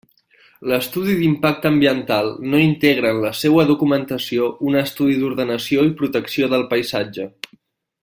L'estudi d'impacte ambiental no integra en la seua documentació un estudi d'ordenació i protecció del paisatge.